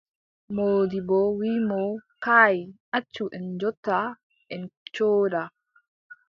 Moodibbo wii mo : kaay, accu en njotta, en cooda.